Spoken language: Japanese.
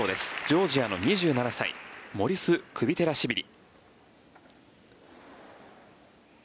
ジョージアの２７歳モリス・クビテラシビリ。